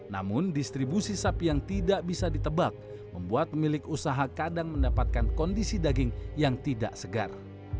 namun distribusi sapi yang tidak bisa ditebak membuat pemilik usaha kadang mendapatkan kondisi daging yang tidak segar